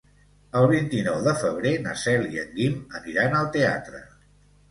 El vint-i-nou de febrer na Cel i en Guim aniran al teatre.